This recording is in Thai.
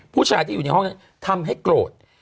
ผู้ชายที่อยู่ในห้องนั้นทำให้โกรธ